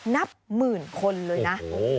นับหมื่นคนเลยนะ